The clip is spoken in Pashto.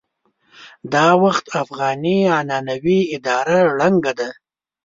دا وخت افغاني عنعنوي اداره ړنګه ده.